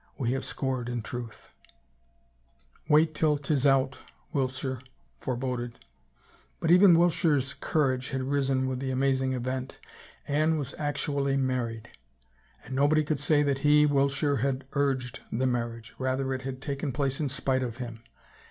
We have scored in truth." 249 THE FAVOR OF KINGS ." Wait till 'tis out," Wiltshire foreboded. But even Wiltshire's courage had risen with the amaz ing event. Anne was actually married! And nobody could say that he, Wiltshire, had urged the marriage, rather it had taken place in spite of him.